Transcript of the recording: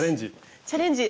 チャレンジ。